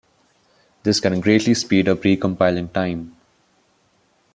This can greatly speed up recompiling time.